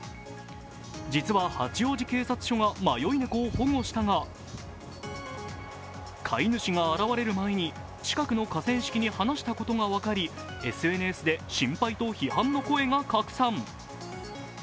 実は八王子警察署が迷い猫を保護したが、飼い主が現れる前に近くの河川敷に放したことが分かりＳＮＳで心配と批判の声が拡散。